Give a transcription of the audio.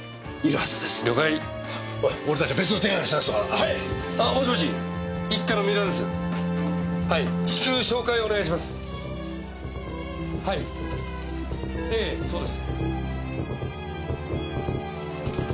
はいええそうです。